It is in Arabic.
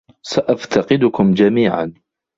سأفتقدكم جميعا.